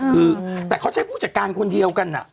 คือแต่เขาใช้ผู้จัดการคนเดียวกัน